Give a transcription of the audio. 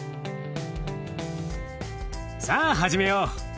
さあ始めよう。